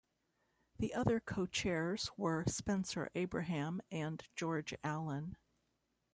The other co-chairs were Spencer Abraham and George Allen.